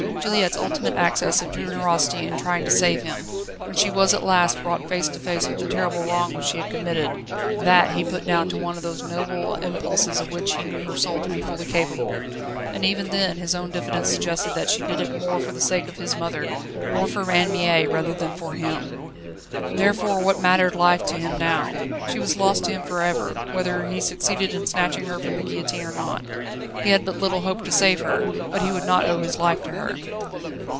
Juliette's ultimate access of generosity in trying to save him, when she was at last brought face to face with the terrible wrong she had committed, that he put down to one of those noble impulses of which he knew her soul to be fully capable, and even then his own diffidence suggested that she did it more for the sake of his mother or for Anne Mie rather than for him. Therefore what mattered life to him now? She was lost to him for ever, whether he succeeded in snatching her from the guillotine or not. He had but little hope to save her, but he would not owe his life to her.